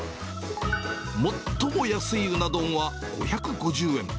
最も安いうな丼は５５０円。